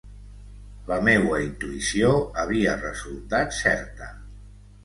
La meua intuïció havia resultat certa.